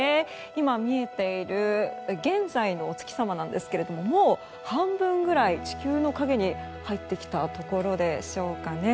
今、見えている現在のお月様なんですけれどももう半分くらい地球の影に入ってきたところでしょうか。